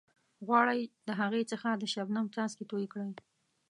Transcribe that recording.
غواړئ د هغې څخه د شبنم څاڅکي توئ کړئ.